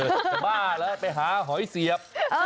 จะบ้าแล้วไปหาหอยเสียบ